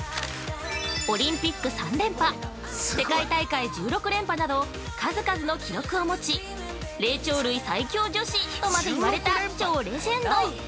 オリンピック３連覇世界大会１６連覇など数々の記録を持ち霊長類最強女子！とまでいわれた超レジェンド。